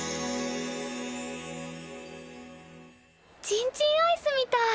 チンチンアイスみたい。